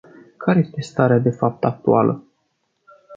Care este starea de fapt actuală?